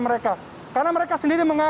karena saya mereka memberkati